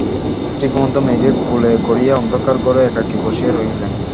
একটি ঘুমন্ত মেয়েকে কোলে করিয়া অন্ধকার ঘরে একাকী বসিয়া রহিলেন।